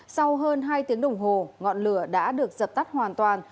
sau hơn hai tiếng đồng hồ ngọn lửa đã được dập tắt hoàn toàn